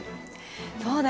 そうだよね。